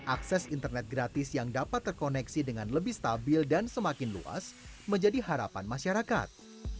akses internet gratis yang dapat terkoneksi dengan lebih stabil dan semakin luas menjadi harapan masyarakat